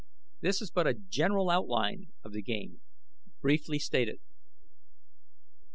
This is but a general outline of the game, briefly stated.